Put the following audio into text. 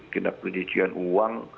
tidak penjijikan uang